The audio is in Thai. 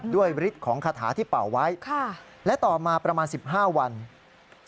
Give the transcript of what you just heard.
ฤทธิ์ของคาถาที่เป่าไว้และต่อมาประมาณ๑๕วัน